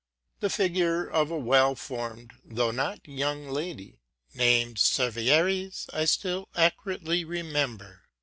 The figure of a well formed though not young lady, named Serviéres, I still accurately remember.